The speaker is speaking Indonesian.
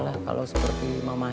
kamu mau belajar masak